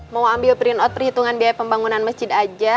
mau ambil printout perhitungan biaya pembangunan masjid aja